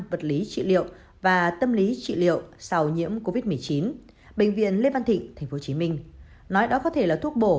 vật lý trị liệu và tâm lý trị liệu sau nhiễm covid một mươi chín bệnh viện lê văn thịnh tp hcm nói đó có thể là thuốc bổ